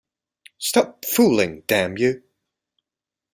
Stop fooling, damn you!